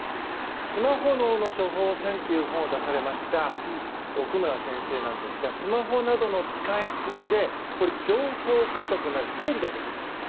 「スマホ脳の処方箋」という本を出されました奥村先生なんですがスマホなどの使い過ぎで情報過多となり整理ができなくなる。